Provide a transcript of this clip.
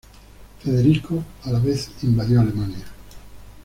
Federico, a la vez, invadió Alemania.